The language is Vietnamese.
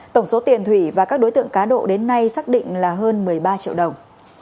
tổng số tiền thủy và các đối tượng cá độ đến nay xác định là hơn một mươi ba triệu đồng